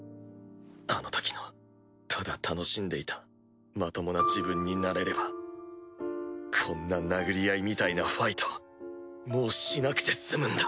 あのときのただ楽しんでいたまともな自分になれればこんな殴り合いみたいなファイトもうしなくてすむんだ！